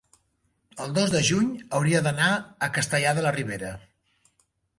el dos de juny hauria d'anar a Castellar de la Ribera.